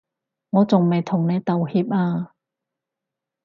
我仲未同你道歉啊